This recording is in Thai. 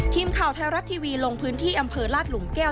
ทีมข่าวไทยรัฐทีวีลงพื้นที่อำเภอลาดหลุมแก้ว